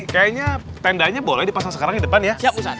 kayaknya tendanya boleh dipasang sekarang di depan ya